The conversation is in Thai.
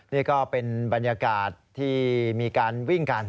นี่ก็เป็นบรรยากาศที่มีการวิ่งกัน